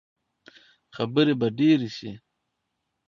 خبرې به ډېرې شي.